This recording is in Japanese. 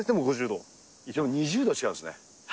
２０度違うんですね。